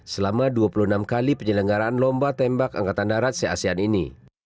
selama dua puluh enam kali penyelenggaraan lomba tembak angkatan darat se asean ini